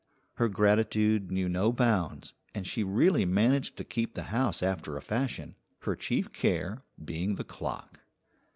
Her gratitude knew no bounds, and she really managed to keep the house after a fashion, her chief care being the clock.